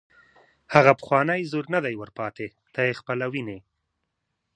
هغه پخوانی زور نه دی ور پاتې، ته یې خپله ویني.